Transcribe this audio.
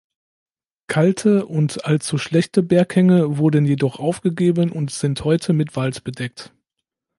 Kalte und allzu schlechte Berghänge wurden jedoch aufgegeben und sind heute mit Wald bedeckt.